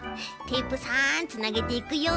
テープさんつなげていくよ。